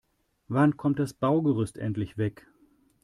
Wann kommt das Baugerüst endlich weg?